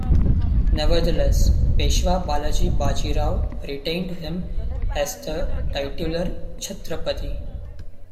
Nevertheless, Peshwa Balaji Baji Rao retained him as the titular Chhatrapati.